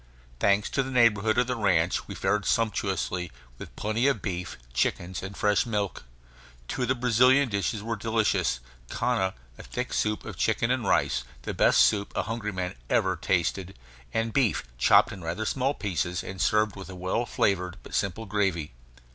Thanks to the neighborhood of the ranch, we fared sumptuously, with plenty of beef, chickens, and fresh milk. Two of the Brazilian dishes were delicious: canja, a thick soup of chicken and rice, the best soup a hungry man ever tasted; and beef chopped in rather small pieces and served with a well flavored but simple gravy.